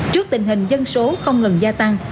trước tình hình dân số không ngừng gia tăng